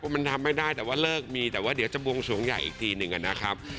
มันทำไม่ได้แต่ว่าเลิกมีแต่ว่าเดี๋ยวจะบวงสวงใหญ่อีกทีหนึ่งนะครับ